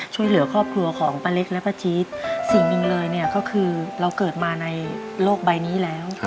ช่วยเหลือครอบครัวของป้าเล็กและป้าจี๊ดสิ่งหนึ่งเลยเนี่ยก็คือเราเกิดมาในโลกใบนี้แล้ว